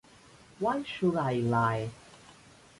Why should I lie?